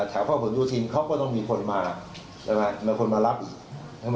แถวพ่อผู้ดูทิมเขาก็ต้องมีคนมาเอาไหมเป็นคนมารับอีกได้ไหม